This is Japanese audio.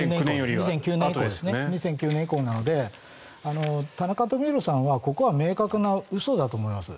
ですから２００９年以降なので田中富広さんはここは明確な嘘だと思います。